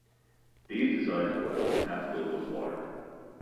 These designs work when half filled with water.